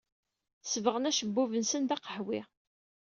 Sebɣen acebbub-nsen d aqehwi.